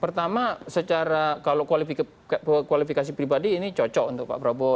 pertama secara kalau kualifikasi pribadi ini cocok untuk pak prabowo